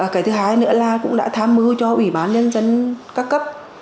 cái thứ hai nữa là cũng đã tham mưu cho ủy ban nhân dân các cấp